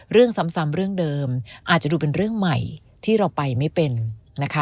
เรื่องซ้ำเรื่องเดิมอาจจะดูเป็นเรื่องใหม่ที่เราไปไม่เป็นนะคะ